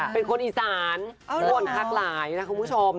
เป็นคนอีสานคนฮักหลายนะคุณผู้ชม